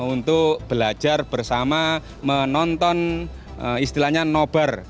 untuk belajar bersama menonton istilahnya nobar